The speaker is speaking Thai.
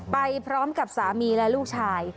ไปพร้อมกับสามีและลูกชาย